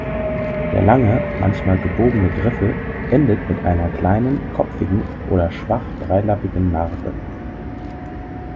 Der lange, manchmal gebogene Griffel endet mit einer kleinen, kopfigen oder schwach dreilappigen Narbe.